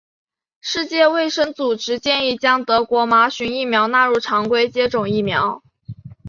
世界卫生组织建议将德国麻疹疫苗纳入常规接种疫苗。